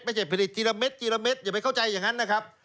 ไม่ใช่ผลิตทีละเม็ดทีละเม็ดอย่าไปเข้าใจอย่างนั้นนะครับ